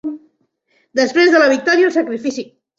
Després de la victòria, el sacrifici.